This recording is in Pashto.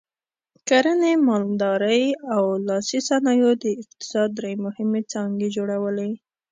کرنې، مالدارۍ او لاسي صنایعو د اقتصاد درې مهمې څانګې جوړولې.